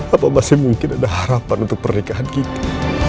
apa masih mungkin ada harapan untuk pernikahan kita